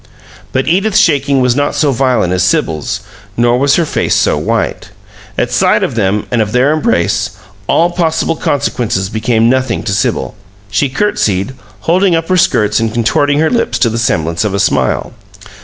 But Edith's shaking was not so violent as Sibyl's, nor was her face so white. At sight of them and of their embrace, all possible consequences became nothing to Sibyl. She courtesied, holding up her skirts and contorting her lips to the semblance of a smile.